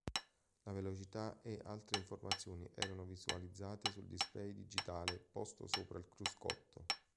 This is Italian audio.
La velocità e altre informazioni erano visualizzate sul display digitale posto sopra il cruscotto.